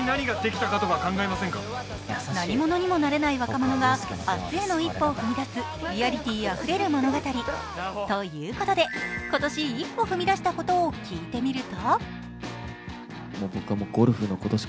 何者にもなれない若者が明日への一歩を踏み出すリアリティーあふれる物語。ということで、今年一歩踏み出したことを聞いてみると？